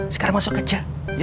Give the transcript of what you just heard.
sekarang masuk kerja